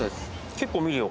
結構見るよ